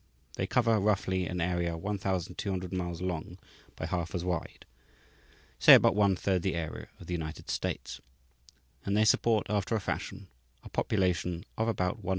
They cover, roughly, an area 1,200 miles long by half as wide, say about one third the area of the United States; and they support, after a fashion, a population of about 160,000,000.